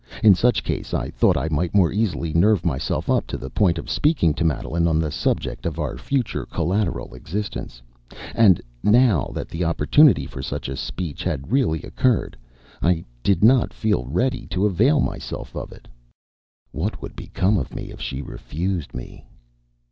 In such case I thought I might more easily nerve myself up to the point of speaking to Madeline on the subject of our future collateral existence; and, now that the opportunity for such speech had really occurred, I did not feel ready to avail myself of it. What would become of me if she refused me?